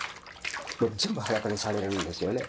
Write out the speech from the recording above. もう全部裸にされるんですよね。